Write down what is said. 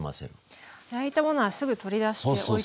焼いたものはすぐ取り出しておいておく。